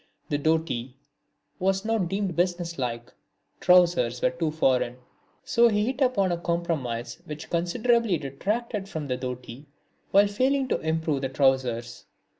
The Dhoti was not deemed business like; trousers were too foreign; so he hit upon a compromise which considerably detracted from the dhoti while failing to improve the trousers.